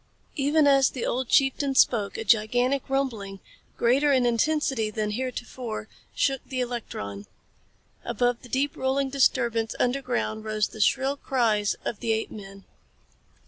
Even as the old chieftain spoke a gigantic rumbling, greater in intensity than any heretofore, shook the electron. Above the deep rolling disturbance underground rose the shrill cries of the apemen.